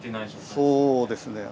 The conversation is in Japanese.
そうですね。